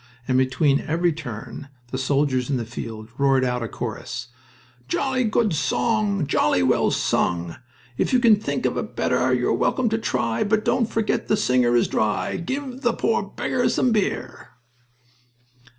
And between every "turn" the soldiers in the field roared out a chorus: "Jolly good song, Jolly well sung. If you can think of a better you're welcome to try. But don't forget the singer is dry; Give the poor beggar some beer!"